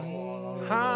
はあ。